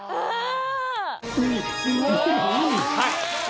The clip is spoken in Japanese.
はい。